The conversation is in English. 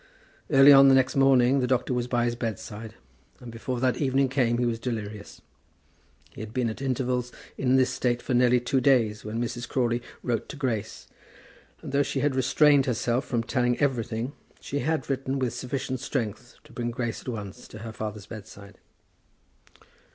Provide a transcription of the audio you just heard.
Early on the next morning the doctor was by his bedside, and before that evening came he was delirious. He had been at intervals in this state for nearly two days, when Mrs. Crawley wrote to Grace, and though she had restrained herself from telling everything, she had written with sufficient strength to bring Grace at once to her father's bedside.